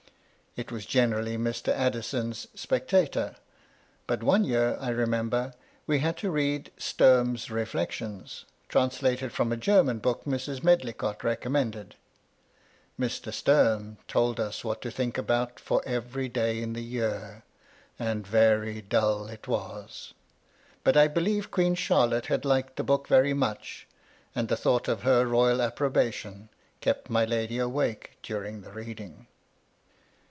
It was generally Mr. Addison's "Spectator;" but one year I remember, we had to read "Sturm's Reflections," trans lated from a German book Mrs. Medlicott recommended. Mr. Sturm told us what to think about for every day in the year ; and very dull it was. But I believe Queen Charlotte had liked the book very much, and the thought of her royal approbation kept my lady awake during the reading.